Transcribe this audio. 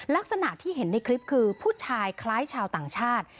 ลักษณะที่เห็นในคลิปคือผู้ชายคล้ายชาวต่างชาติ